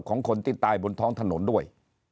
ของคนที่ตายบนท้องถนนด้วย